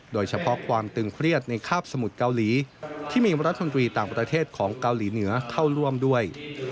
โดยเฉพาะความตึงเครียดในคาบสมุทรเกาหลีที่มีรัฐมนตรีต่างประเทศของเกาหลีเหนือเข้าร่วมด้วย